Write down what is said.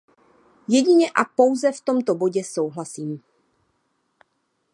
Jedině a pouze v tomto bodě souhlasím.